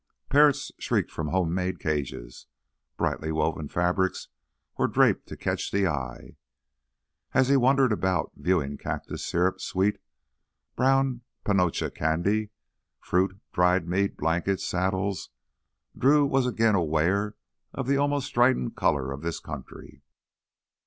Parrots shrieked from homemade cages; brightly woven fabrics were draped to catch the eye. As he wandered about viewing cactus syrup, sweet, brown panocha candy, fruit, dried meat, blankets, saddles, Drew was again aware of the almost strident color of this country.